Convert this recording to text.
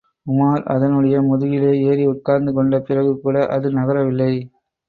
உமார் அதனுடைய முதுகிலே ஏறி உட்கார்ந்து கொண்ட பிறகு கூட அது நகரவில்லை.